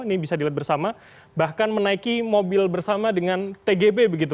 ini bisa dilihat bersama bahkan menaiki mobil bersama dengan tgb begitu